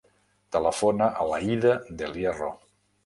Telefona a l'Aïda Del Hierro.